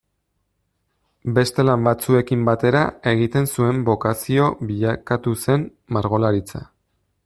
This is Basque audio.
Beste lan batzuekin batera egiten zuen bokazio bilakatu zen margolaritza.